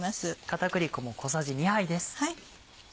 片栗粉も小さじ２杯です。